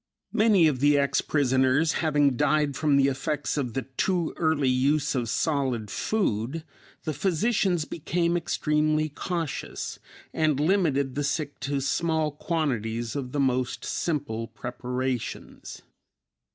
Many of the ex prisoners having died from the effects of the too early use of solid food, the physicians became extremely cautious and limited the sick to small quantities of the most simple preparations.